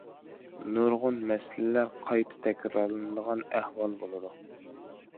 نۇرغۇن مەسىلىلەر قايتا تەكرارلىنىدىغان ئەھۋال بولىدۇ.